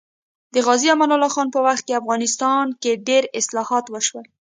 د غازي امان الله خان په وخت کې افغانستان کې ډېر اصلاحات وشول